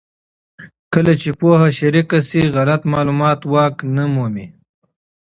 کله چې پوهه شریکه شي، غلط معلومات واک نه مومي.